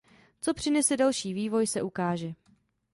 Co přinese další vývoj, se ukáže!